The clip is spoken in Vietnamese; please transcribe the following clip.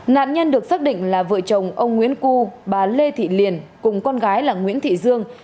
nạn nhân được xác định là vợ chồng ông nguyễn cu bà lê thị liền cùng con gái là nguyễn thị dương